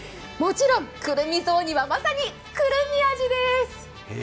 もちろん、くるみ雑煮はまさに、くるみあじです。